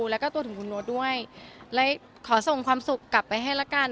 แล้วก็ตัวถึงคุณโน๊ตด้วยเลยขอส่งความสุขกลับไปให้ละกัน